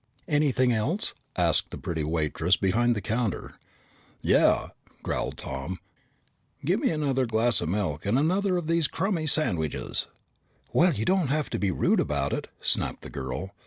"Anything else?" asked the pretty waitress behind the counter. "Yeah," growled Tom. "Gimme another glass of milk and another of these crummy sandwiches." "Well, you don't have to be rude about it!" snapped the girl.